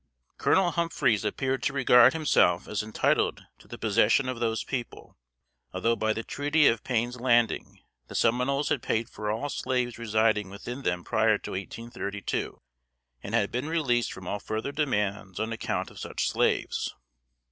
Colonel Humphreys appeared to regard himself as entitled to the possession of those people; although by the treaty of Payne's Landing the Seminoles had paid for all slaves residing with them prior to 1832; and had been released from all further demands on account of such slaves.